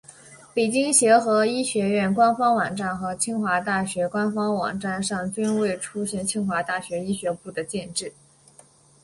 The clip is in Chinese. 北京协和医学院官方网站和清华大学官方网站上均未出现清华大学医学部的建制。